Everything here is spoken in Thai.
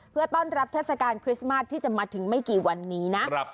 เพื่อต้อนรับเทศกาลคริสต์มาสที่จะมาถึงไม่กี่วันนี้นะ